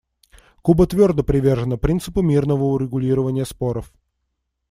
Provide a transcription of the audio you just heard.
Куба твердо привержена принципу мирного урегулирования споров.